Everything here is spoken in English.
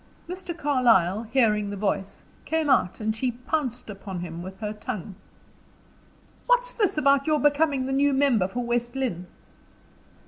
Mr. Carlyle, hearing the voice, came out and she pounced upon him with her tongue. "What's this about your becoming the new member for West Lynne?"